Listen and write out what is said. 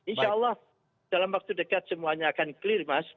insya allah dalam waktu dekat semuanya akan clear mas